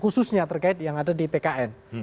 khususnya terkait yang ada di pkn